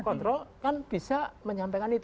kontrol kan bisa menyampaikan itu